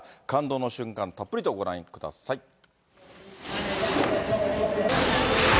感動の瞬間、たっぷりとご覧ください。